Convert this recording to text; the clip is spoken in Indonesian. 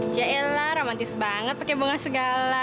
jelah romantis banget pake bunga segala